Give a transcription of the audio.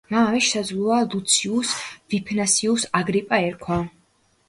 მამამისს, შესაძლოა, ლუციუს ვიფსანიუს აგრიპა ერქვა.